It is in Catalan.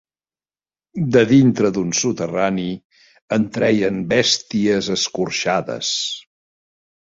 De dintre d'un soterrani en treien besties escorxades